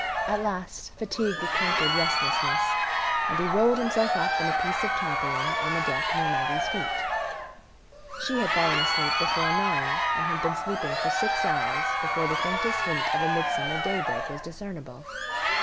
At last fatigue conquered restlessness, and he rolled himself up in a piece of tarpaulin on the deck near Maggie's feet. She had fallen asleep before nine, and had been sleeping for six hours before the faintest hint of a midsummer daybreak was discernible.